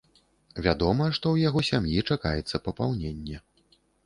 Вядома, што ў яго сям'і чакаецца папаўненне.